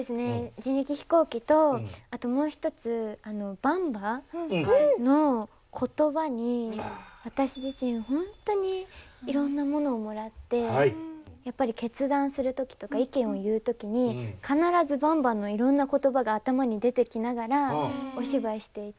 人力飛行機とあともう一つばんばの言葉に私自身本当にいろんなものをもらってやっぱり決断する時とか意見を言う時に必ずばんばのいろんな言葉が頭に出てきながらお芝居していて。